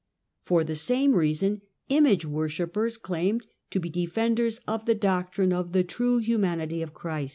For the line reason image worshippers claimed to be defenders f the doctrine of the true humanity of Christ.